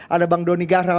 ada bang doni gahrala adi